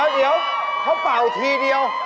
ขนาดของแบบอีกทีเดียว